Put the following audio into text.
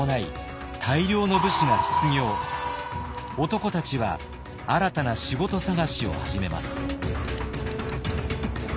男たちは新たな仕事探しを始めます。